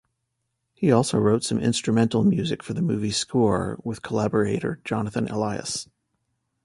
He also wrote some instrumental music for the movie's score with collaborator Jonathan Elias.